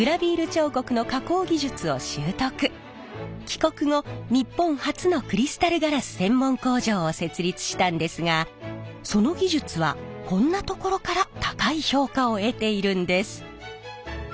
帰国後日本初のクリスタルガラス専門工場を設立したんですがその技術はこんなところから高い評価を得ているんです。